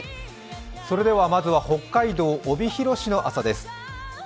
それではまずは北海道帯広市の朝です。